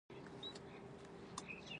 آزاد تجارت مهم دی ځکه چې زدکړه اسانوي.